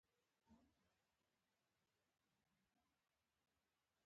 د فیشن صنعت هم په چین کې وده کوي.